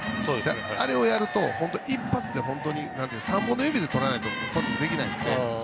あれをやると一発で３本の指でとらないとできないので。